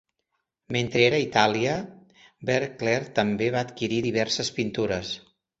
Mentre era a Itàlia, Beauclerk també va adquirir diverses pintures.